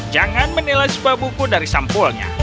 jangan menilai sebuah buku dari sampulnya